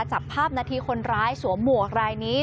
จับภาพนาทีคนร้ายสวมหมวกรายนี้